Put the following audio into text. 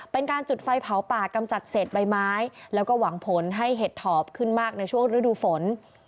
เป็นการจุดไฟเผาป่ากำจัดเศษใบไม้แล้วก็หวังผลให้เห็ดถอบขึ้นมากในช่วงฤดูฝน